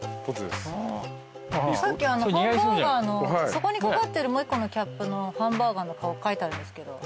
そこに掛かってるもう１個のキャップのハンバーガーの顔描いてあるんですけど。